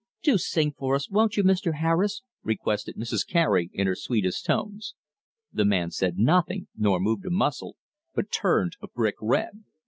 "Do sing for us, won't you, Mr. Harris?" requested Mrs. Cary in her sweetest tones. The man said nothing, nor moved a muscle, but turned a brick red.